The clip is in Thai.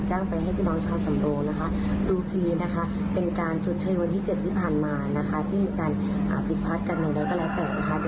ไปให้พี่น้องชาวสำโรงนะคะดูฟรีนะคะเป็นการชดเชยวันที่๗ที่ผ่านมานะคะที่มีการผิดพลาดกันใดก็แล้วแต่นะคะ